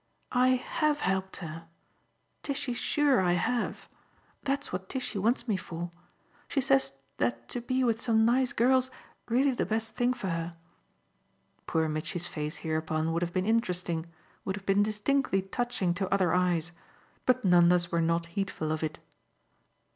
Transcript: "I HAVE helped her. Tishy's sure I have. That's what Tishy wants me for. She says that to be with some nice girl's really the best thing for her." Poor Mitchy's face hereupon would have been interesting, would have been distinctly touching to other eyes; but Nanda's were not heedful of it.